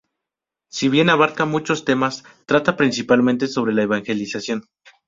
Si bien abarca muchos temas, trata principalmente sobre la evangelización.